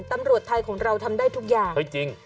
ตำรวจไทยของเราทำได้ทุกอย่าง